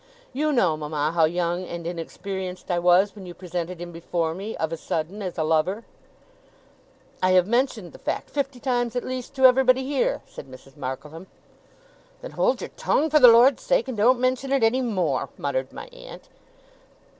You know, mama, how young and inexperienced I was, when you presented him before me, of a sudden, as a lover.' 'I have mentioned the fact, fifty times at least, to everybody here!' said Mrs. Markleham. ['Then hold your tongue, for the Lord's sake, and don't mention it any more!' muttered my aunt.)